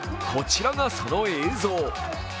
こちらがその映像。